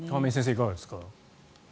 いかがですか。